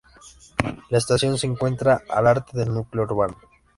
La estación se encuentra al este del núcleo urbano.